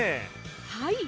はい。